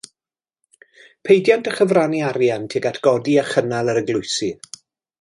Peidiant â chyfrannu arian tuag at godi a chynnal yr eglwysi.